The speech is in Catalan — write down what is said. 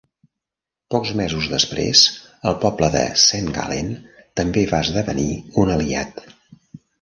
Pocs mesos després el poble de Saint Gallen també va esdevenir un aliat.